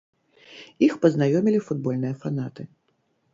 Іх пазнаёмілі футбольныя фанаты.